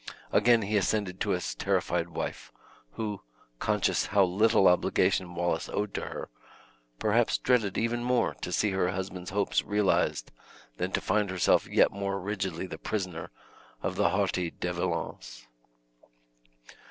Again he ascended to his terrified wife, who, conscious how little obligation Wallace owed to her, perhaps dreaded even more to see her husband's hopes realized than to find herself yet more rigidly the prisoner of the haughty De Valence.